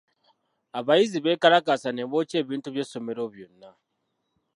Abayizi beekalakaasa ne bookya ebintu by’essomero byonna.